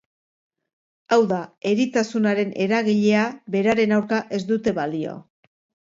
Hau da, eritasunaren eragilea beraren aurka ez dute balio.